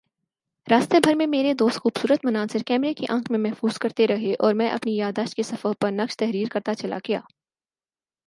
راستے بھر میں میرے دوست خوبصورت مناظر کیمرے کی آنکھ میں محفوظ کرتے رہے اور میں اپنی یادداشت کے صفحوں پر نقش تحریر کرتاچلا گیا